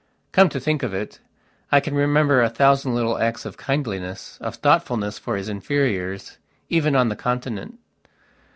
Come to think of it, I can remember a thousand little acts of kindliness, of thoughtfulness for his inferiors, even on the Continent.